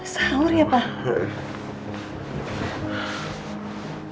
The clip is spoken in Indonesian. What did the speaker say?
sahur ya pak